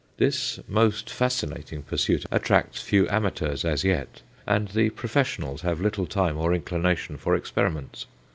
This most fascinating pursuit attracts few amateurs as yet, and the professionals have little time or inclination for experiments.